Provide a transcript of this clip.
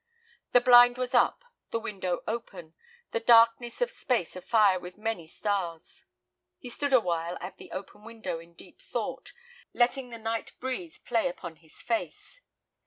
The blind was up, the window open, the darkness of space afire with many stars. He stood awhile at the open window in deep thought, letting the night breeze play upon his face.